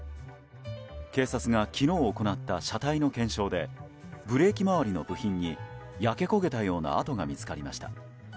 警察が昨日行った車体の検証でブレーキ周りの部品に焼け焦げたような跡が見つかりました。